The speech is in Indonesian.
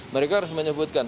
mereka harus menyebutkan